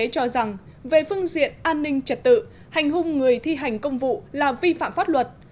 cho rằng về phương diện an ninh trật tự hành hung người thi hành công vụ là vi phạm pháp luật